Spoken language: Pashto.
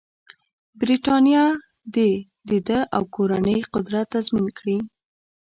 برټانیه دې د ده او کورنۍ قدرت تضمین کړي.